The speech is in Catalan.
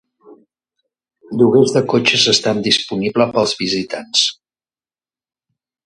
Lloguers de cotxes estan disponible per als visitants.